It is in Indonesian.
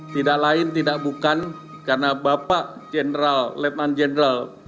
tidak lain tidak bukan karena bapak jenderal lieutenant jenderal